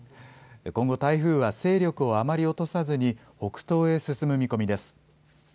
今後、台風は勢力をあまり落とさずに北東へ進む見込みです。